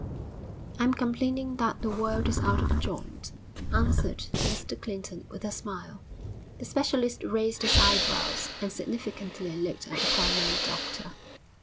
'I'm complaining that the world is out of joint,' answered Mr Clinton, with a smile. The specialist raised his eyebrows and significantly looked at the family doctor.